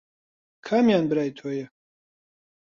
کامیان برای تۆیە؟